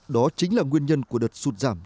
đó chính là nguyên nhân của đợt sụt giảm